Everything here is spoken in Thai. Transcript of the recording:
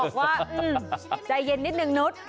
บอกว่าใจเย็นนิดหนึ่งนุ๊ด